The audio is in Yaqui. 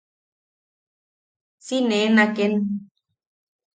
Si nee naken.